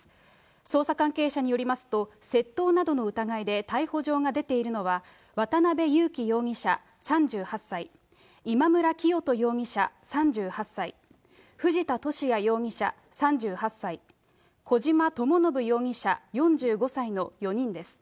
捜査関係者によりますと、窃盗などの疑いで逮捕状が出ているのは渡辺優樹容疑者３８歳、今村磨人容疑者３８歳、藤田聖也容疑者３８歳、小島智信容疑者４５歳の４人です。